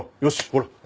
ほら。